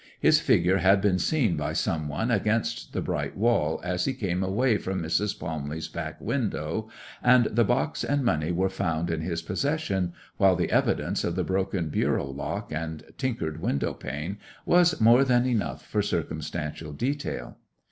His figure had been seen by some one against the bright wall as he came away from Mrs. Palmley's back window, and the box and money were found in his possession, while the evidence of the broken bureau lock and tinkered window pane was more than enough for circumstantial detail.